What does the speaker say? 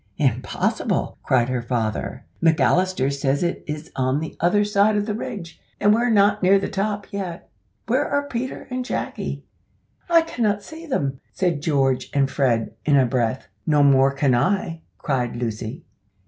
"Impossible!" cried her father; "McAllister says it is on the other side of the ridge, and we're not near the top yet. Where are Peter and Jacky?" "I cannot see them!" said George and Fred, in a breath. "No more can I," cried Lucy.